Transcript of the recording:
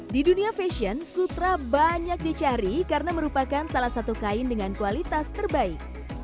di dunia fashion sutra banyak dicari karena merupakan salah satu kain dengan kualitas terbaik